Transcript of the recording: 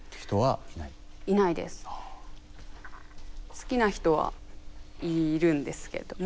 好きな人はいるんですけども。